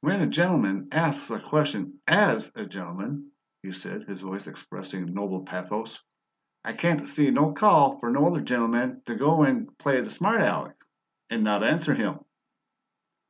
"When a gen'leman asts a question AS a gen'leman," he said, his voice expressing a noble pathos, "I can't see no call for no other gen'leman to go an' play the smart Aleck and not answer him."